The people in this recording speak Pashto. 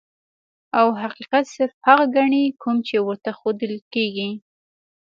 او حقيقت صرف هغه ګڼي کوم چې ورته ښودلے کيږي -